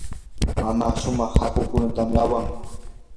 mamaa shumaq hakukunatam awan.